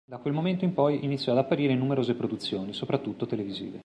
Da quel momento in poi iniziò ad apparire in numerose produzioni, soprattutto televisive.